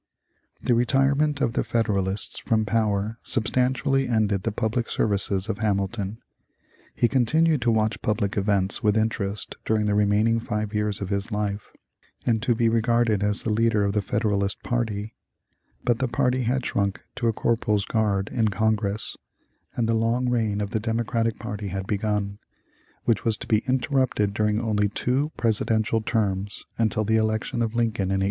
The retirement of the Federalists from power substantially ended the public services of Hamilton. He continued to watch public events with interest during the remaining five years of his life, and to be regarded as the leader of the Federalist party, but the party had shrunk to a corporal's guard in Congress and the long reign of the Democratic party had begun, which was to be interrupted during only two presidential terms until the election of Lincoln in 1860.